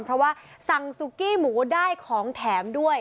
เพราะว่าสั่งซุกี้หมูได้ของแถมด้วย